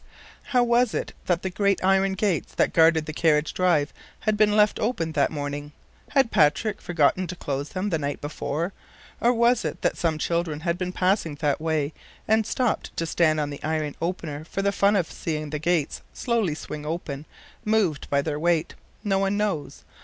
How was it that the great iron gates that guarded the carriage drive had been left open that morning! Had Patrick forgotten to close them the night before, or was it that some children had been passing that way and stopped to stand on the iron opener for the fun of seeing the gates slowly swing open, moved by their weight? No one knows.